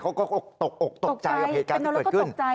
เขาก็ตกอกตกใจกับเหตุการณ์ที่เกิดขึ้น